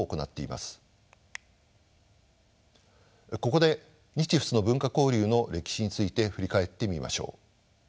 ここで日仏の文化交流の歴史について振り返ってみましょう。